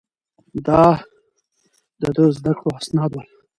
دا د ده د زده کړو اسناد ول.